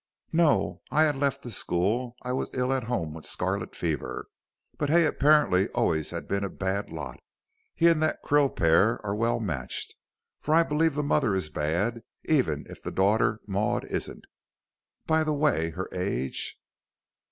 "No, I had left the school I was ill at home with scarlet fever. But Hay apparently always has been a bad lot. He and that Krill pair are well matched, for I believe the mother is bad, even if the daughter Maud isn't. By the way her age